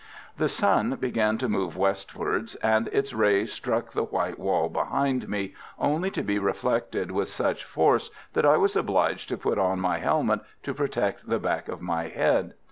The sun began to move westwards, and its rays struck the white wall behind me, only to be reflected with such force that I was obliged to put on my helmet to protect the back of my head.